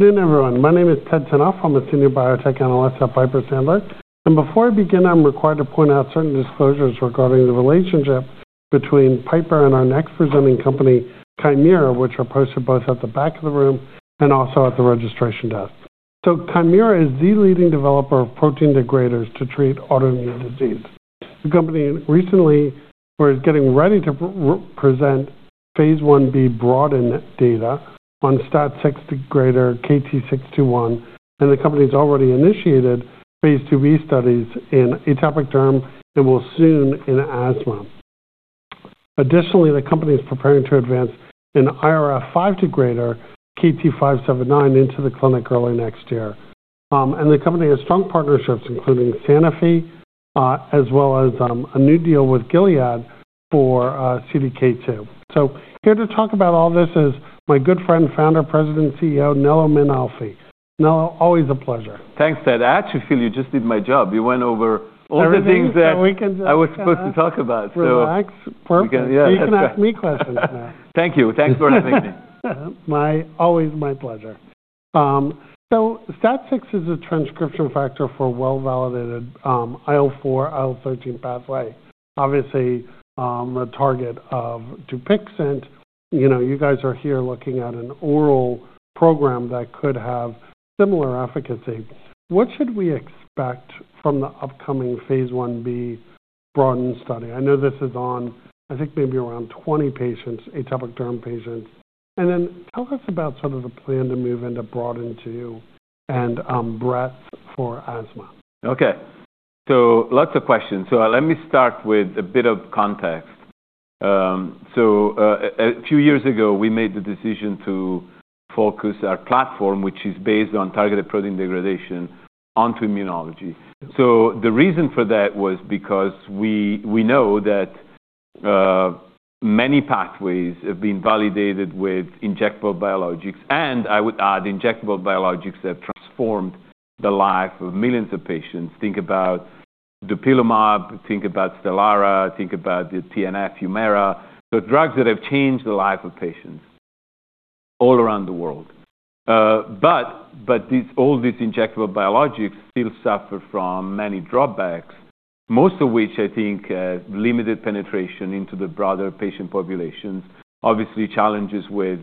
Good evening, everyone. My name is Ted Tenthoff. I'm a senior biotech analyst at Piper Sandler, and before I begin, I'm required to point out certain disclosures regarding the relationship between Piper and our next presenting company, Kymera, which are posted both at the back of the room and also at the registration desk. So Kymera is the leading developer of protein degraders to treat autoimmune disease. The company recently was getting ready to present phase I-B broadened data on STAT6 degrader, KT-621, and the company's already initiated phase II-B studies in atopic derm and will soon in asthma. Additionally, the company is preparing to advance an IRF5 degrader, KT-579, into the clinic early next year, and the company has strong partnerships, including Sanofi, as well as a new deal with Gilead for CDK2. So here to talk about all this is my good friend, Founder, President, and CEO Nello Mainolfi. Nello, always a pleasure. Thanks, Ted. Actually, you just did my job. You went over all the things that I was supposed to talk about. Relax. Perfect. You can ask me questions now. Thank you. Thanks for having me. Always my pleasure. STAT6 is a transcription factor for well-validated IL4, IL13 pathway, obviously a target of Dupixent. You guys are here looking at an oral program that could have similar efficacy. What should we expect from the upcoming phase I-B BroADen study? I know this is on, I think, maybe around 20 patients, atopic derm patients. And then tell us about sort of the plan to move into BroADen 2 and BREADTH for asthma. OK. So lots of questions. So let me start with a bit of context. So a few years ago, we made the decision to focus our platform, which is based on targeted protein degradation, onto immunology. So the reason for that was because we know that many pathways have been validated with injectable biologics. And I would add injectable biologics have transformed the life of millions of patients. Think about dupilumab, think about Stelara, think about the TNF Humira, so drugs that have changed the life of patients all around the world. But all these injectable biologics still suffer from many drawbacks, most of which, I think, have limited penetration into the broader patient populations, obviously challenges with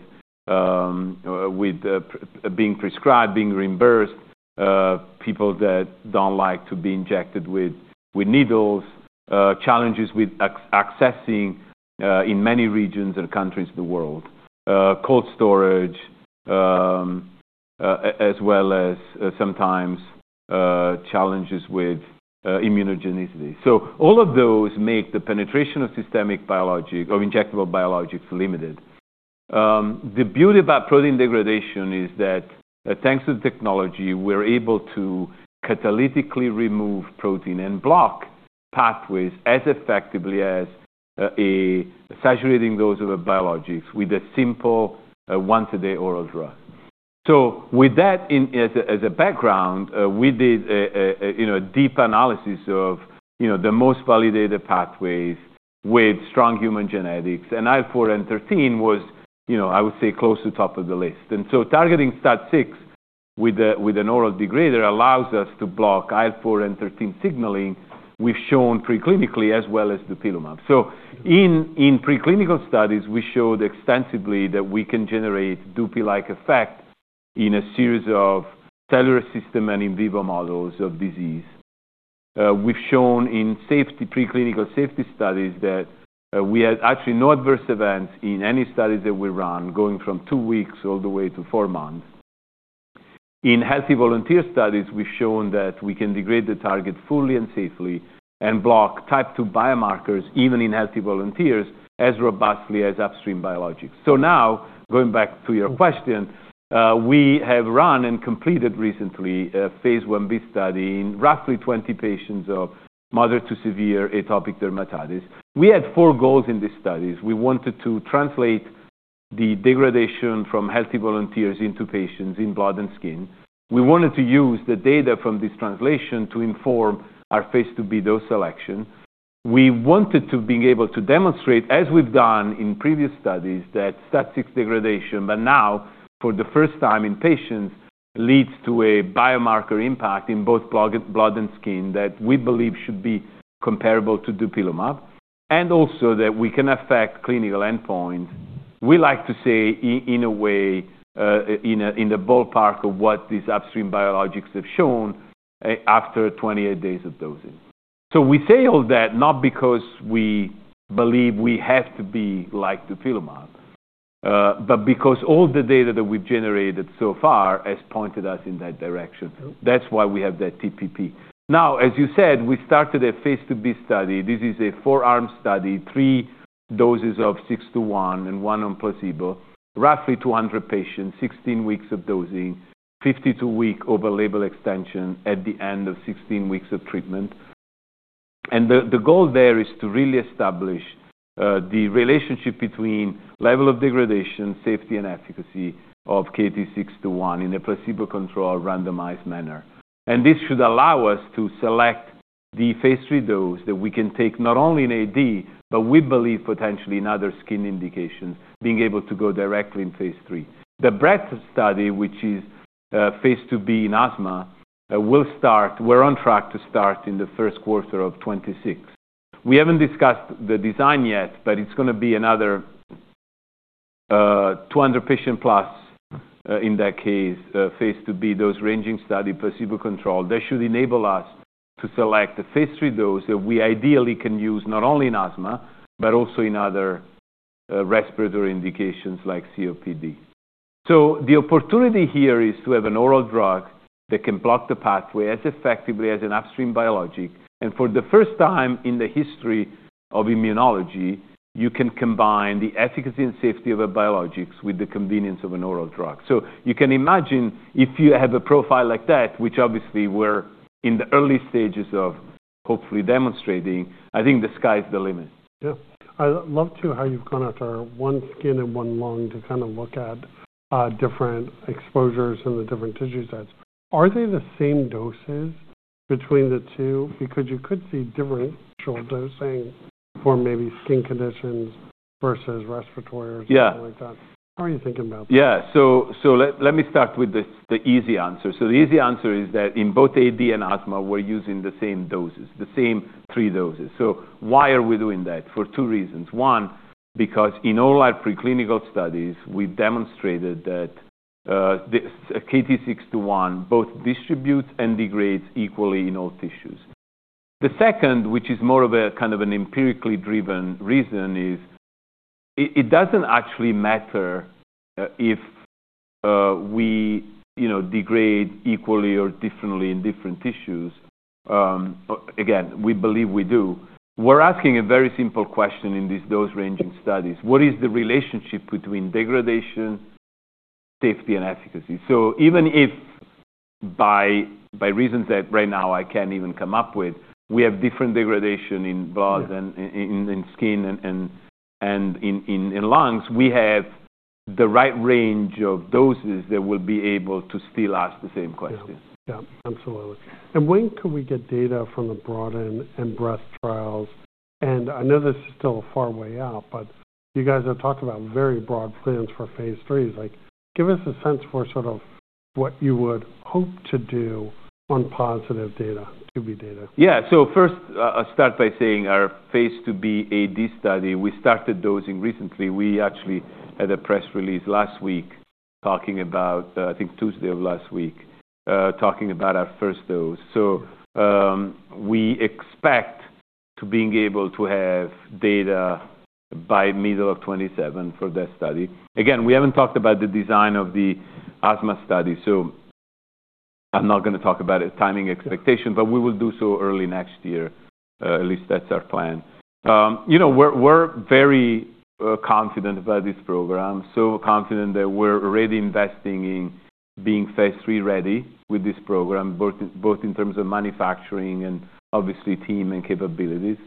being prescribed, being reimbursed, people that don't like to be injected with needles, challenges with accessing in many regions and countries in the world, cold storage, as well as sometimes challenges with immunogenicity. So all of those make the penetration of systemic biologics or injectable biologics limited. The beauty about protein degradation is that, thanks to the technology, we're able to catalytically remove protein and block pathways as effectively as saturating those of a biologic with a simple one-a-day oral drug. So with that as a background, we did a deep analysis of the most validated pathways with strong human genetics. And IL-4 and IL-13 was, I would say, close to the top of the list. Targeting STAT6 with an oral degrader allows us to block IL-4 and IL-13 signaling. We've shown preclinically as well as dupilumab. In preclinical studies, we showed extensively that we can generate dupilumab-like effects in a series of cellular systems and in vivo models of disease. We've shown in preclinical safety studies that we had actually no adverse events in any studies that we run, going from two weeks all the way to four months. In healthy volunteer studies, we've shown that we can degrade the target fully and safely and block type 2 biomarkers, even in healthy volunteers, as robustly as upstream biologics. Now, going back to your question, we have run and completed recently a phase I-B study in roughly 20 patients of moderate to severe atopic dermatitis. We had four goals in these studies. We wanted to translate the degradation from healthy volunteers into patients in blood and skin. We wanted to use the data from this translation to inform our phase II-B dose selection. We wanted to be able to demonstrate, as we've done in previous studies, that STAT6 degradation, but now for the first time in patients, leads to a biomarker impact in both blood and skin that we believe should be comparable to dupilumab, and also that we can affect clinical endpoints, we like to say in a way, in the ballpark of what these upstream biologics have shown after 28 days of dosing. So we say all that not because we believe we have to be like dupilumab, but because all the data that we've generated so far has pointed us in that direction. That's why we have that TPP. Now, as you said, we started a phase II-B study. This is a four-arm study, three doses of KT-621 and one on placebo, roughly 200 patients, 16 weeks of dosing, 52-week open-label extension at the end of 16 weeks of treatment. The goal there is to really establish the relationship between level of degradation, safety, and efficacy of KT-621 in a placebo-controlled, randomized manner. This should allow us to select the phase 3 dose that we can take not only in AD, but we believe potentially in other skin indications, being able to go directly in phase III. The BREADTH study, which is phase II-B in asthma, we're on track to start in the first quarter of 2026. We haven't discussed the design yet, but it's going to be another 200-patient-plus in that case, phase II-B dose-ranging study, placebo-controlled. That should enable us to select the phase III dose that we ideally can use not only in asthma, but also in other respiratory indications like COPD. So the opportunity here is to have an oral drug that can block the pathway as effectively as an upstream biologic. And for the first time in the history of immunology, you can combine the efficacy and safety of a biologic with the convenience of an oral drug. So you can imagine if you have a profile like that, which obviously we're in the early stages of hopefully demonstrating, I think the sky's the limit. Yeah. I love too how you've gone after one skin and one lung to kind of look at different exposures in the different tissue sets. Are they the same doses between the two? Because you could see different individual dosing for maybe skin conditions versus respiratory or something like that. How are you thinking about that? Yeah. So let me start with the easy answer. So the easy answer is that in both AD and asthma, we're using the same doses, the same three doses. So why are we doing that? For two reasons. One, because in all our preclinical studies, we've demonstrated that KT-621 both distributes and degrades equally in all tissues. The second, which is more of a kind of an empirically driven reason, is it doesn't actually matter if we degrade equally or differently in different tissues. Again, we believe we do. We're asking a very simple question in these dose-ranging studies. What is the relationship between degradation, safety, and efficacy? So, even if by reasons that right now I can't even come up with, we have different degradation in blood and in skin and in lungs, we have the right range of doses that will be able to still ask the same question. Yeah. Absolutely. And when can we get data from the BroADen and BREADTH trials? And I know this is still a long way out, but you guys have talked about very broad plans for phase III. Give us a sense for sort of what you would hope to do on positive data, II-B data. Yeah. So first, I'll start by saying our phase II-B AD study, we started dosing recently. We actually had a press release last week talking about, I think Tuesday of last week, talking about our first dose, so we expect to be able to have data by middle of 2027 for that study. Again, we haven't talked about the design of the asthma study, so I'm not going to talk about the timing expectation, but we will do so early next year. At least that's our plan. You know we're very confident about this program, so confident that we're already investing in being phase III ready with this program, both in terms of manufacturing and obviously team and capabilities,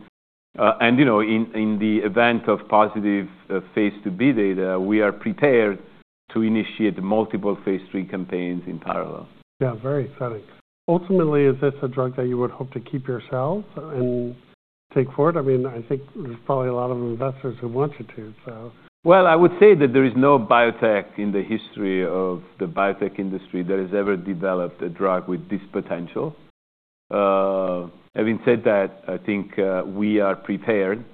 and in the event of positive phase II-B data, we are prepared to initiate multiple phase III campaigns in parallel. Yeah. Very exciting. Ultimately, is this a drug that you would hope to keep yourselves and take forward? I mean, I think there's probably a lot of investors who want you to, so. I would say that there is no biotech in the history of the biotech industry that has ever developed a drug with this potential. Having said that, I think we are prepared,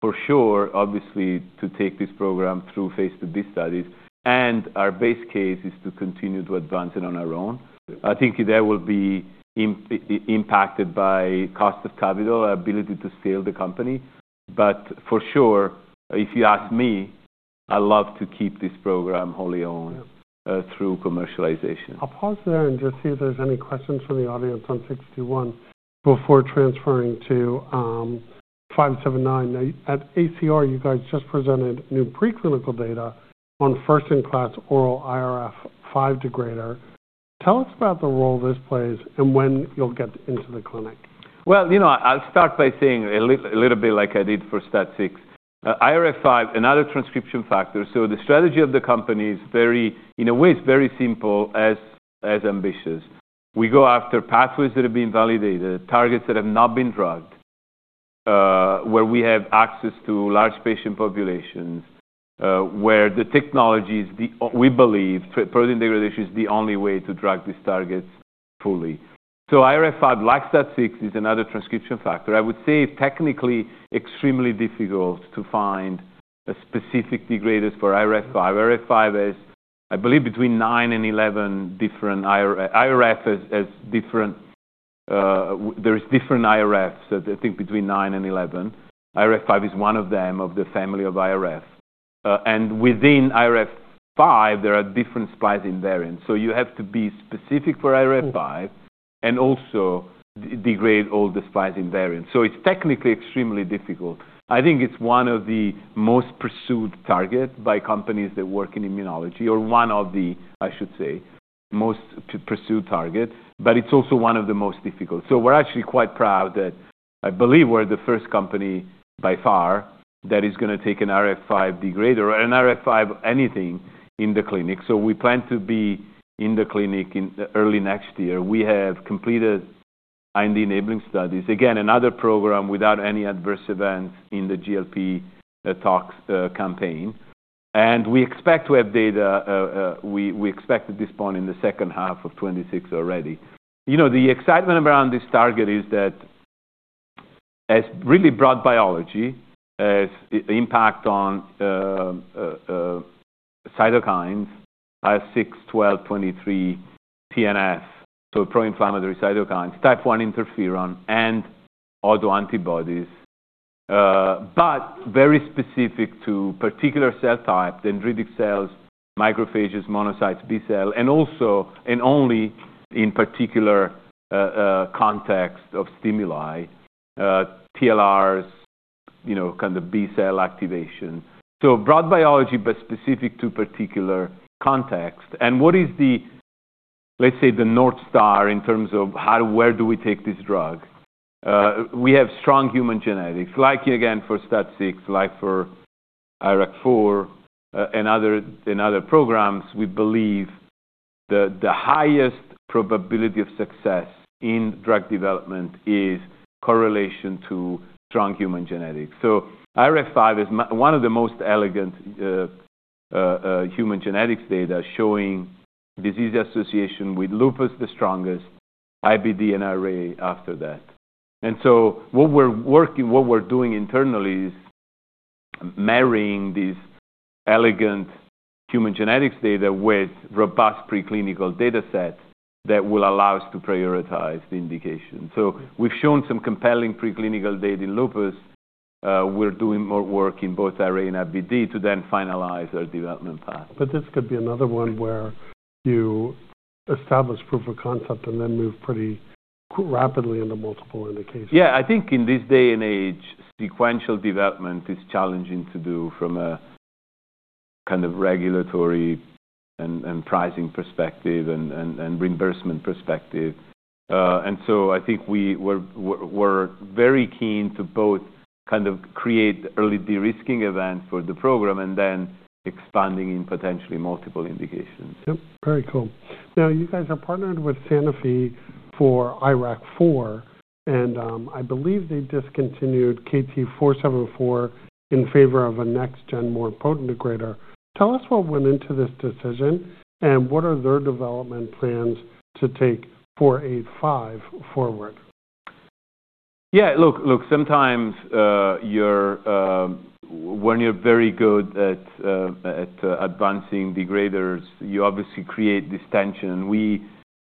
for sure, obviously, to take this program through phase II-B studies. And our base case is to continue to advance it on our own. I think that will be impacted by cost of capital, our ability to scale the company. But for sure, if you ask me, I'd love to keep this program wholly owned through commercialization. I'll pause there and just see if there's any questions from the audience on 61 before transferring to 579. At ACR, you guys just presented new preclinical data on first-in-class oral IRF5 degrader. Tell us about the role this plays and when you'll get into the clinic. You know, I'll start by saying a little bit like I did for STAT6. IRF5, another transcription factor, so the strategy of the company is very, in a way, it's very simple, yet ambitious. We go after pathways that have been validated, targets that have not been drugged, where we have access to large patient populations, where the technology is, we believe, protein degradation is the only way to drug these targets fully. IRF5 like STAT6 is another transcription factor. I would say technically extremely difficult to find a specific degrader for IRF5. IRF5 is, I believe, between nine and 11 different IRFs, as there are different IRFs, I think, between nine and 11. IRF5 is one of them of the family of IRF. And within IRF5, there are different splice variants. So you have to be specific for IRF5 and also degrade all the splice variants. So it's technically extremely difficult. I think it's one of the most pursued targets by companies that work in immunology, or one of the, I should say, most pursued targets. But it's also one of the most difficult. So we're actually quite proud that I believe we're the first company by far that is going to take an IRF5 degrader or an IRF5 anything in the clinic. So we plan to be in the clinic early next year. We have completed IND enabling studies. Again, another program without any adverse events in the GLP tox campaign. And we expect to have data. We expect at this point in the second half of 2026 already. You know the excitement around this target is that has really broad biology, has impact on cytokines, 5, 6, 12, 23, TNF, so pro-inflammatory cytokines, type 1 interferon, and autoantibodies, but very specific to particular cell types, dendritic cells, macrophages, monocytes, B cell, and also and only in particular context of stimuli, TLRs, kind of B cell activation. So broad biology, but specific to particular context. And what is the, let's say, the North Star in terms of where do we take this drug? We have strong human genetics. Like, again, for STAT6, like for IRAK4 and other programs, we believe the highest probability of success in drug development is correlation to strong human genetics. So IRF5 is one of the most elegant human genetics data showing disease association with lupus the strongest, IBD, and RA after that. What we're doing internally is marrying these elegant human genetics data with robust preclinical data sets that will allow us to prioritize the indication. We've shown some compelling preclinical data in lupus. We're doing more work in both RA and IBD to then finalize our development path. But this could be another one where you establish proof of concept and then move pretty rapidly into multiple indications. Yeah. I think in this day and age, sequential development is challenging to do from a kind of regulatory and pricing perspective and reimbursement perspective, and so I think we're very keen to both kind of create early de-risking events for the program and then expanding in potentially multiple indications. Yep. Very cool. Now, you guys are partnered with Sanofi for IRAK4. And I believe they discontinued KT-474 in favor of a next-gen more potent degrader. Tell us what went into this decision and what are their development plans to take KT-485 forward? Yeah. Look, sometimes when you're very good at advancing degraders, you obviously create this tension. We've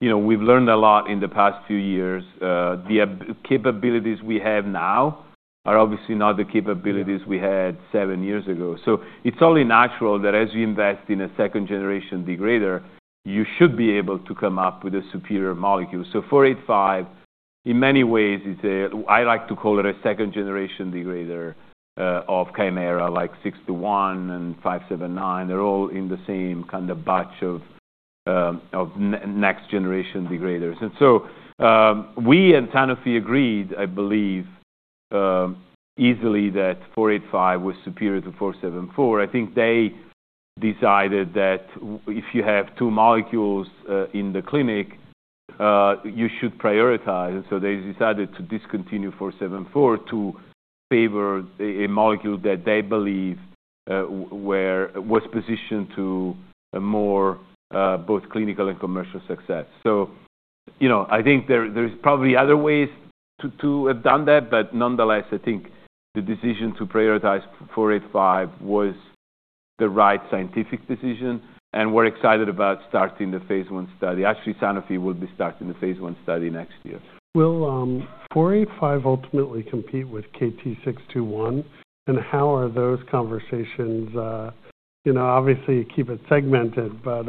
learned a lot in the past few years. The capabilities we have now are obviously not the capabilities we had seven years ago. So it's only natural that as we invest in a second-generation degrader, you should be able to come up with a superior molecule. So KT-485, in many ways, I like to call it a second-generation degrader of Kymera, like KT-621 and KT-579. They're all in the same kind of batch of next-generation degraders. And so we and Sanofi agreed, I believe, easily that KT-485 was superior to KT-474. I think they decided that if you have two molecules in the clinic, you should prioritize. And so they decided to discontinue KT-474 to favor a molecule that they believe was positioned to more both clinical and commercial success. So I think there's probably other ways to have done that. But nonetheless, I think the decision to prioritize KT-485 was the right scientific decision. And we're excited about starting the phase I study. Actually, Sanofi will be starting the phase I study next year. Will KT-485 ultimately compete with KT-621? And how are those conversations? You know, obviously, you keep it segmented, but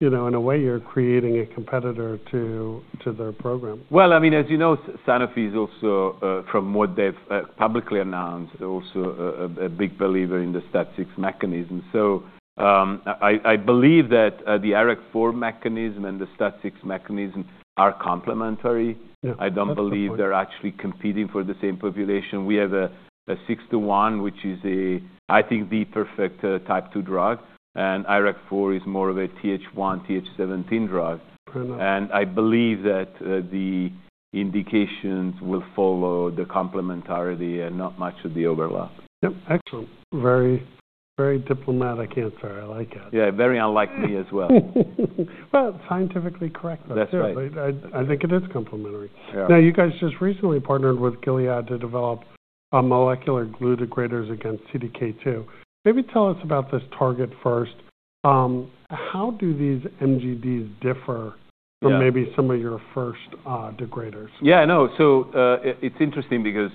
in a way, you're creating a competitor to their program. Well, I mean, as you know, Sanofi is also, from what they've publicly announced, also a big believer in the STAT6 mechanism. So I believe that the IRAK4 mechanism and the STAT6 mechanism are complementary. I don't believe they're actually competing for the same population. We have a KT-621, which is, I think, the perfect type 2 drug. And IRAK4 is more of a Th1, Th17 drug. And I believe that the indications will follow the complementarity and not much of the overlap. Yep. Excellent. Very, very diplomatic answer. I like that. Yeah. Very unlike me as well. Scientifically correct, that's fair. I think it is complementary. Now, you guys just recently partnered with Gilead to develop a molecular glue degraders against CDK2. Maybe tell us about this target first. How do these MGDs differ from maybe some of your first degraders? Yeah. No. So it's interesting because,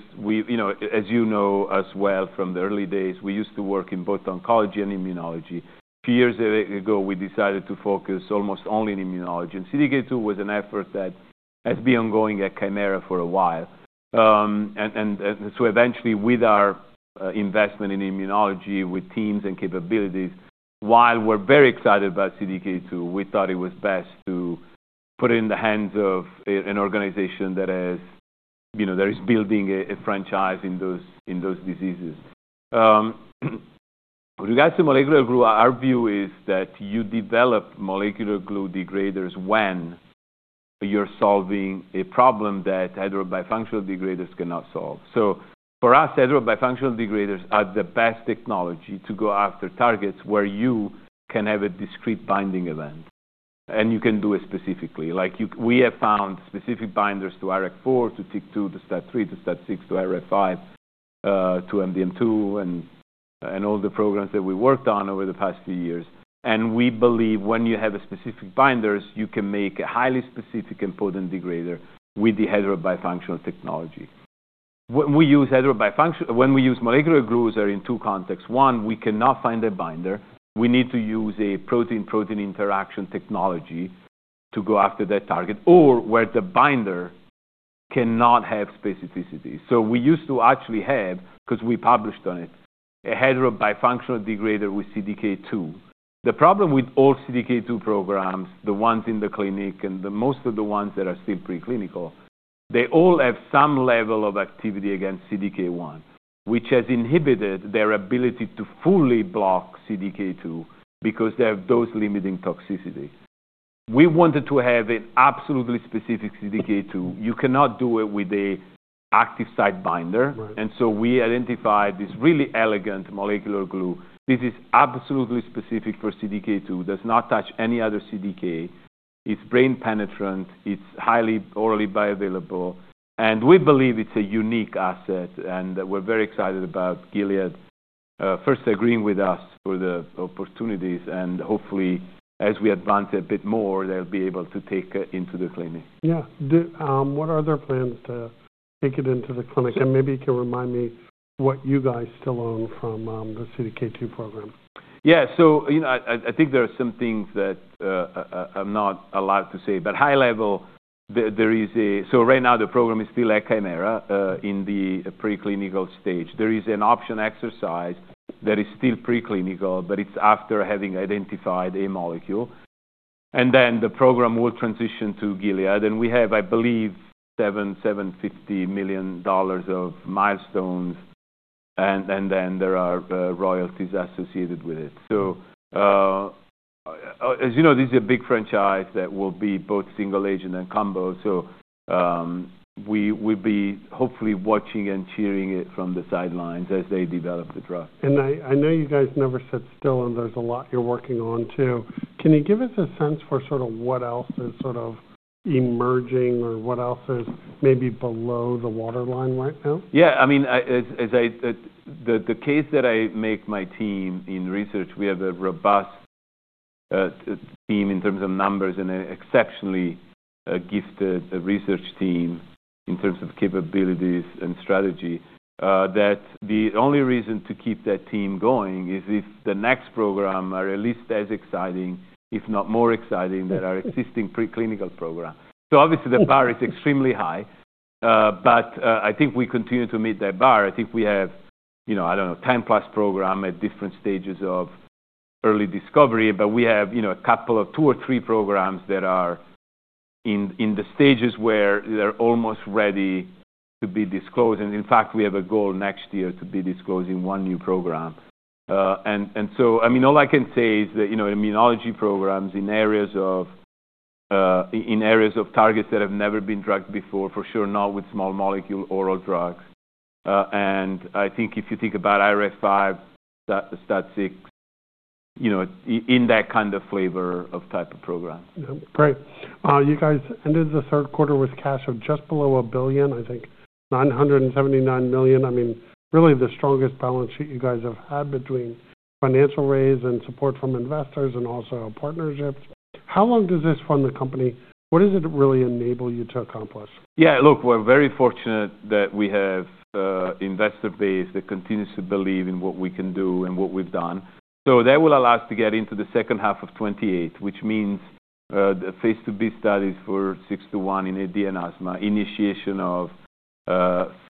as you know as well from the early days, we used to work in both oncology and immunology. A few years ago, we decided to focus almost only on immunology. And CDK2 was an effort that has been ongoing at Kymera for a while. And so eventually, with our investment in immunology, with teams and capabilities, while we're very excited about CDK2, we thought it was best to put it in the hands of an organization that is building a franchise in those diseases. With regards to molecular glue, our view is that you develop molecular glue degraders when you're solving a problem that heterobifunctional degraders cannot solve. So for us, heterobifunctional degraders are the best technology to go after targets where you can have a discrete binding event. And you can do it specifically. We have found specific binders to IRAK4, to CDK2, to STAT3, to STAT6, to IRF5, to MDM2, and all the programs that we worked on over the past few years. And we believe when you have specific binders, you can make a highly specific and potent degrader with the heterobifunctional technology. When we use heterobifunctional, when we use molecular glues, they're in two contexts. One, we cannot find a binder. We need to use a protein-protein interaction technology to go after that target, or where the binder cannot have specificity. So we used to actually have, because we published on it, a heterobifunctional degrader with CDK2. The problem with all CDK2 programs, the ones in the clinic and most of the ones that are still preclinical, they all have some level of activity against CDK1, which has inhibited their ability to fully block CDK2 because they have dose-limiting toxicity. We wanted to have an absolutely specific CDK2. You cannot do it with an active site binder, and so we identified this really elegant molecular glue. This is absolutely specific for CDK2. It does not touch any other CDK. It's brain-penetrant. It's highly orally bioavailable, and we believe it's a unique asset, and we're very excited about Gilead first agreeing with us for the opportunities, and hopefully, as we advance a bit more, they'll be able to take it into the clinic. Yeah. What are their plans to take it into the clinic? And maybe you can remind me what you guys still own from the CDK2 program. Yeah. So I think there are some things that I'm not allowed to say. But high level, there is, so right now, the program is still at Kymera in the preclinical stage. There is an option exercise that is still preclinical, but it's after having identified a molecule. And then the program will transition to Gilead. And we have, I believe, $750 million of milestones. And then there are royalties associated with it. So as you know, this is a big franchise that will be both single agent and combo. So we'll be hopefully watching and cheering it from the sidelines as they develop the drug. And I know you guys never sit still, and there's a lot you're working on too. Can you give us a sense for sort of what else is sort of emerging or what else is maybe below the waterline right now? Yeah. I mean, the case that I make to my team in research, we have a robust team in terms of numbers and an exceptionally gifted research team in terms of capabilities and strategy, that the only reason to keep that team going is if the next program are at least as exciting, if not more exciting, than our existing preclinical program. So obviously, the bar is extremely high. But I think we continue to meet that bar. I think we have, I don't know, 10+ programs at different stages of early discovery. But we have a couple of two or three programs that are in the stages where they're almost ready to be disclosed. And in fact, we have a goal next year to be disclosing one new program. I mean, all I can say is that immunology programs in areas of targets that have never been drugged before, for sure not with small molecule oral drugs. I think if you think about IRF5, STAT6, in that kind of flavor of type of program. Great. You guys ended the third quarter with cash of just below a billion, I think $979 million. I mean, really the strongest balance sheet you guys have had between financial raise and support from investors and also partnerships. How long does this fund the company? What does it really enable you to accomplish? Yeah. Look, we're very fortunate that we have investor base that continues to believe in what we can do and what we've done. So that will allow us to get into the second half of 2028, which means the phase II-B studies for KT-621 in AD and asthma, initiation of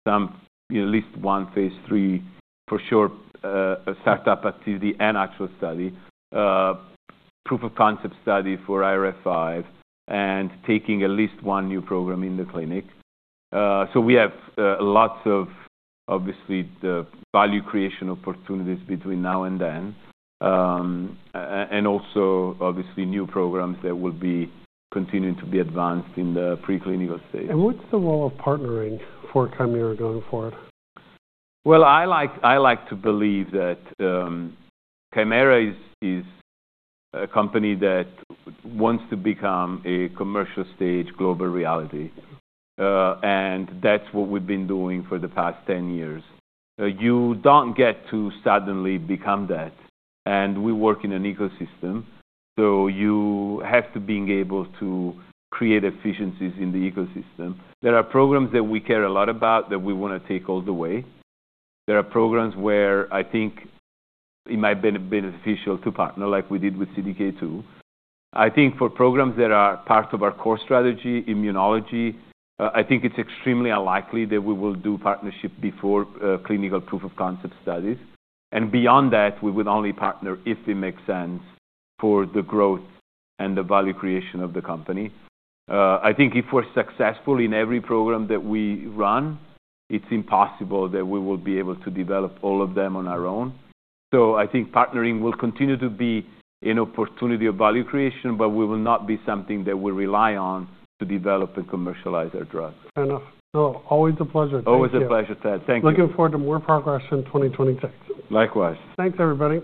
some at least one phase III, for sure, startup activity and actual study, proof of concept study for IRF5, and taking at least one new program in the clinic. So we have lots of, obviously, the value creation opportunities between now and then, and also, obviously, new programs that will be continuing to be advanced in the preclinical stage. What's the role of partnering for Kymera going forward? I like to believe that Kymera is a company that wants to become a commercial stage global reality. And that's what we've been doing for the past 10 years. You don't get to suddenly become that. And we work in an ecosystem. So you have to be able to create efficiencies in the ecosystem. There are programs that we care a lot about that we want to take all the way. There are programs where I think it might have been beneficial to partner, like we did with CDK2. I think for programs that are part of our core strategy, immunology, I think it's extremely unlikely that we will do partnership before clinical proof of concept studies. And beyond that, we would only partner if it makes sense for the growth and the value creation of the company. I think if we're successful in every program that we run, it's impossible that we will be able to develop all of them on our own. So I think partnering will continue to be an opportunity of value creation, but we will not be something that we rely on to develop and commercialize our drug. Fair enough. Well, always a pleasure, Ted. Always a pleasure, Ted. Thank you. Looking forward to more progress in 2026. Likewise. Thanks, everybody.